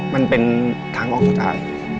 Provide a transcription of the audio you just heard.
มันเป็นทางออกกรุณา